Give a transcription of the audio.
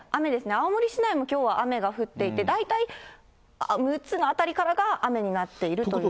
青森市内もきょうは雨が降っていて、大体、陸奥の辺りからが雨になっているという。